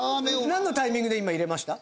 なんのタイミングで今入れました？